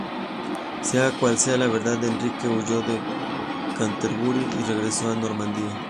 Sea cual sea la verdad, Enrique huyó de Canterbury y regresó a Normandía.